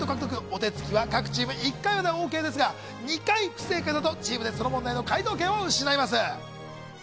お手つきは各チーム１回までオーケーですが、２回不正解だとチームでその問題の解答権を失います。